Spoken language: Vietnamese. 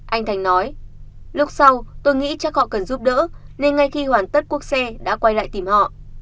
anh thành nói lúc sau tôi nghĩ chắc họ cần giúp đỡ nên ngay khi hoàn tất cuốc xe đã quay lại tìm họ